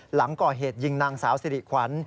หลังก่อเหตุยิงนางสาวสิริขวัญ